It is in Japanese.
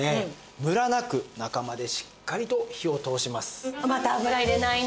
ムラなく中までしっかりと火を通します。